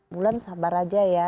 bulan sabar aja ya